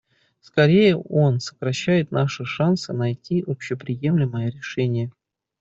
Скорее, он сокращает наши шансы найти общеприемлемое решение.